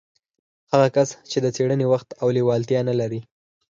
هغه کس چې د څېړنې وخت او لېوالتيا نه لري.